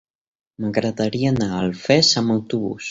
M'agradaria anar a Alfés amb autobús.